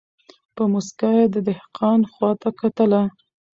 په موسکا یې د دهقان خواته کتله